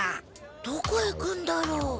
どこ行くんだろう？